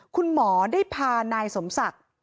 คุณหมอได้พานายสมศักดิ์